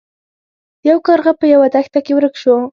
یو کارغه په یوه دښته کې ورک شو.